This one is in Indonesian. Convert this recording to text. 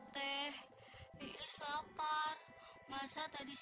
teh kita harus bagaimana teh